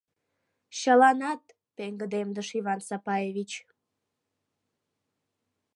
— Чыланат! — пеҥгыдемдыш Иван Сапаевич.